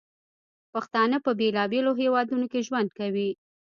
پښتانه په بیلابیلو هیوادونو کې ژوند کوي.